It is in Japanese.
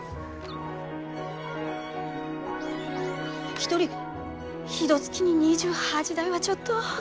一人ひとつきに２８台はちょっと。